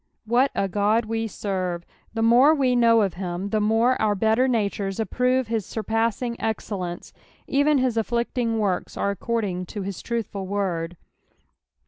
What a God we serve I The more we know of him, the more our betl«r natures approve his surpassing excellence ; even his afOicting works are accord ing to his truthful word.